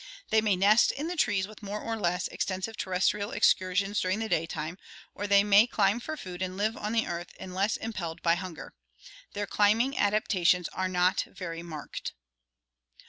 They may nest in the trees with more or less extensive ter restrial excursions during the daytime, or they may climb for food and live on the earth unless impelled by hunger. Their climb ing adaptations are not very marked.